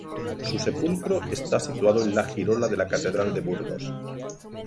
Su sepulcro está situado en la girola de la catedral de Burgos.